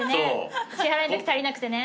支払いのとき足りなくてね。